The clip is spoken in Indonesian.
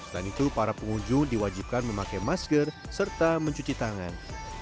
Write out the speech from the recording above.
dan itu para pengunjung diwajibkan memakai masker serta mencuci tangan